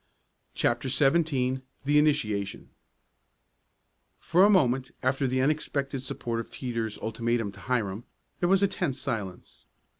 CHAPTER XVII THE INITIATION For a moment after the unexpected support of Teeter's ultimatum to Hiram there was a tense silence.